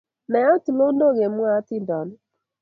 Nayat tulondok ngemwae hatindonik